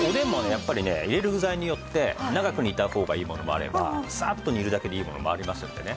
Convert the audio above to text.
やっぱりね入れる具材によって長く煮た方がいいものもあればサッと煮るだけでいいものもありますんでね。